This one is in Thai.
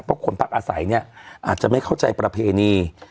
เพราะคนพักอาศัยเนี่ยอาจจะไม่เข้าใจประเพณี